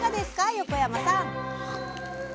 横山さん！